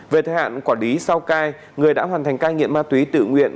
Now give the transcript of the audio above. về thời hạn quả đí sau cai người đã hoàn thành ca nghiện ma túy tự nguyện